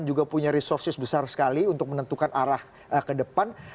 juga punya resources besar sekali untuk menentukan arah ke depan